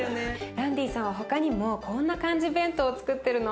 ランディさんは他にもこんな漢字弁当をつくってるの。